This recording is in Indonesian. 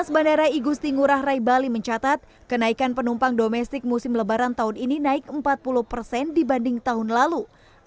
pemudik bali mencatat kenaikan penumpang domestik musim lebaran tahun ini naik empat puluh persen dibanding tahun lalu